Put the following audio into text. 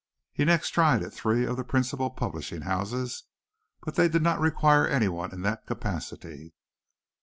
He next tried at three of the principal publishing houses, but they did not require anyone in that capacity.